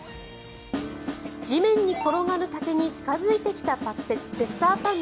地面に転がる竹に近付いてきたレッサーパンダ。